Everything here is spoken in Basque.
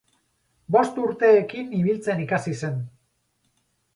Bost urteekin ibiltzen ikasi zen.